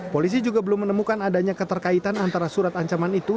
polisi juga belum menemukan adanya keterkaitan antara surat ancaman itu